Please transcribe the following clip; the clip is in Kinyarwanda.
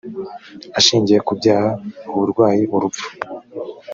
ashingiye kubyaha, uburwayi, urupfu